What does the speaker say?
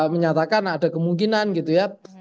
menyatakan ada kemungkinan gitu ya